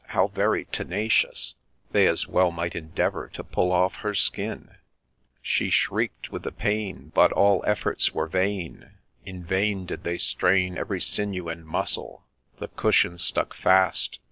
how very tenacious I '— They as well might endeavour to pull off her skin I — She shriek'd with the pain, but all efforts were vain ; In vain did they strain every sinew and muscle, — The cushion stuck fast